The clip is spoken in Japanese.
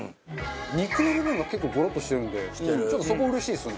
肉の部分が結構ゴロッとしてるんでちょっとそこうれしいですね。